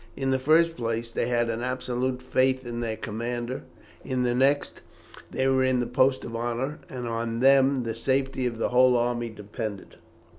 In the first place, they had an absolute faith in their commander; in the next, they were in the post of honour, and on them the safety of the whole army depended.